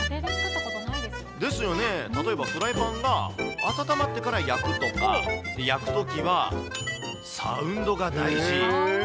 例えばフライパンが温まってから焼くとか、焼くときはサウンドが大事。